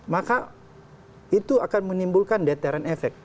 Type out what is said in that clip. maka itu akan menimbulkan deteran efek